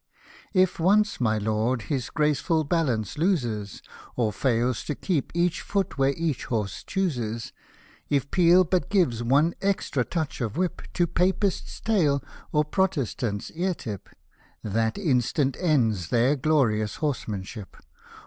If once my Lord his graceful balance loses. Or fails to keep each foot where each horse chooses ; If Peel but gives one extra touch of whip To Papists tail or Protestant s ear tip — That instant ends their glorious horsemanship